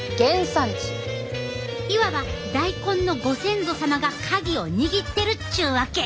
いわば大根のご先祖様が鍵を握ってるっちゅうわけ！